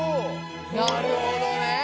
なるほどね！